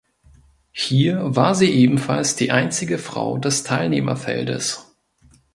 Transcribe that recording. Hier war sie ebenfalls die einzige Frau des Teilnehmerfeldes.